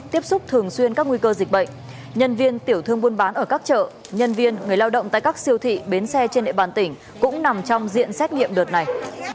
tiếp xúc thường xuyên các nguy cơ dịch bệnh nhân viên tiểu thương buôn bán ở các chợ nhân viên người lao động tại các siêu thị bến xe trên địa bàn tỉnh cũng nằm trong diện xét nghiệm đợt này